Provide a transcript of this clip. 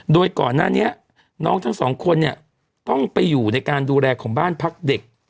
โดยก่อนหน้านี้น้องทั้งสองคนเนี่ยต้องไปอยู่ในการดูแลของบ้านพักเด็ก